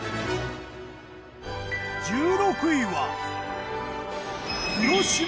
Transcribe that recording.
１６位は。